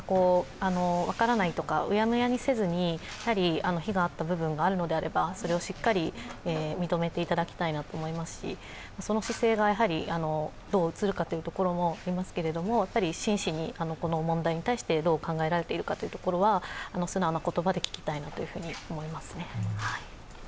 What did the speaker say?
分からないとか、うやむやにせず非があった部分があるのであれば、それをしっかり認めていただきたいと思いますしその姿勢がどう映るかというところもありますけれども真摯にこの問題についてどう考えられているかというところは素直な言葉で聞きたいと思います。